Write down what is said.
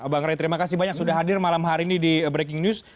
bang ray terima kasih banyak sudah hadir malam hari ini di breaking news